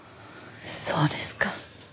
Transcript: そうですか。